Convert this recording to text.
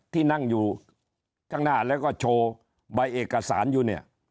ที่นั่งอยู่ข้างหน้าแล้วก็โชว์ใบเอกสารอยู่เนี่ย